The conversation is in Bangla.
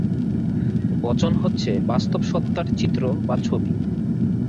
বচন হচ্ছে বাস্তব সত্তার চিত্র বা ছবি।